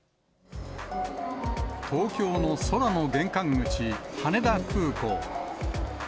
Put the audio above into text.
東京の空の玄関口、羽田空港。